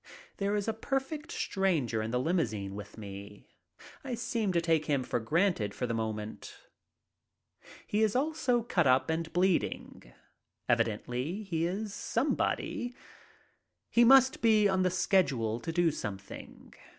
There is a perfect stranger in the limousine with me. I seem to take him for granted for the moment. He is also cut up and bleeding. Evidently he is somebody. He must be on the schedule to do something.